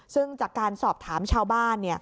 ซึ่งจากการสอบถามชาวบ้าน